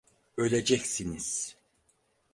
Öleceksiniz!